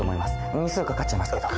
日数かかっちゃいますけど。